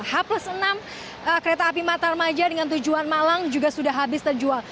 h enam kereta api matarmaja dengan tujuan malang juga sudah habis terjual